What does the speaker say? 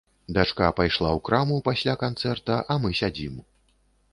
Дачка пайшла ў краму пасля канцэрта, а мы сядзім.